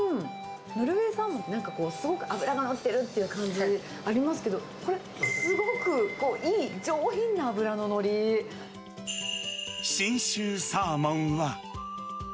ノルウェーサーモン、なんかこう、すごく脂が乗ってるっていう感じありますけど、これ、すごくいい、信州サーモンは。